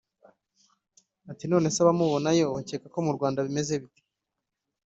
Ati “Nonese abamubonayo bakeka ko mu Rwanda bimeze bite